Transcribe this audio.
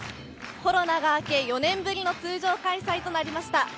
コロナが明け、４年ぶりの通常開催となりました。